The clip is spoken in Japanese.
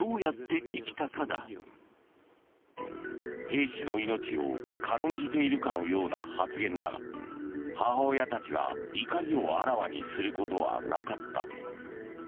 兵士の命を軽んじているかのような発言だが母親たちが怒りをあらわにすることはなかった。